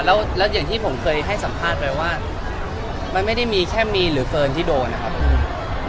แล้วอย่างที่ผมเคยให้สัมภาษณ์ไปว่ามันไม่ได้มีแค่มีเหลือเกินที่โดนนะครับ